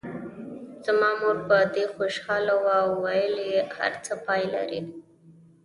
زما مور په دې خوشاله وه او ویل یې هر څه پای لري.